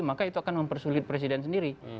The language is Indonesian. maka itu akan mempersulit presiden sendiri